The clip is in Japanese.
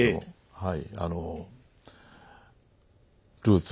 はい。